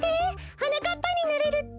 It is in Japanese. はなかっぱになれるって。